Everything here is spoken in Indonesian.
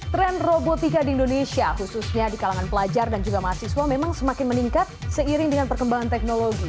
tren robotika di indonesia khususnya di kalangan pelajar dan juga mahasiswa memang semakin meningkat seiring dengan perkembangan teknologi